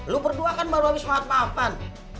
lu berdua kan baru habis makan